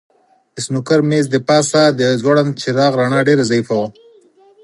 د سنوکر مېز د پاسه د ځوړند څراغ رڼا ډېره ضعیفه وه.